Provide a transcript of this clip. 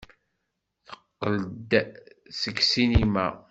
Teqqel-d seg ssinima.